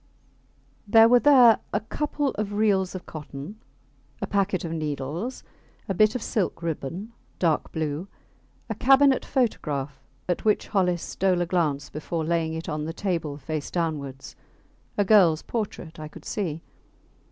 There were there a couple of reels of cotton, a packet of needles, a bit of silk ribbon, dark blue; a cabinet photograph, at which Hollis stole a glance before laying it on the table face downwards. A girls portrait, I could see.